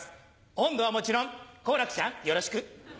音頭はもちろん好楽ちゃんよろしく！